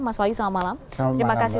mas wahyu selamat malam terima kasih